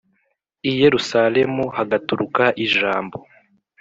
i Yerusalemu hagaturuka ijambo